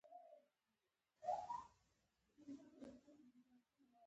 په قلم نړۍ بدلېږي.